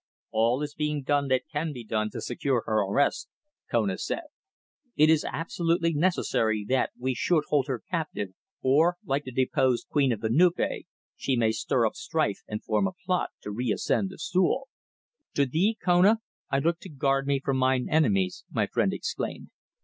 "All is being done that can be done to secure her arrest," Kona said. "It is absolutely necessary that we should hold her captive, or, like the deposed queen of the Nupé, she may stir up strife and form a plot to reascend the stool." "To thee, Kona, I look to guard me from mine enemies," my friend exclaimed.